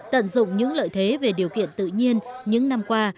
tận dụng những lợi thế về điều kiện tự nhiên những năm qua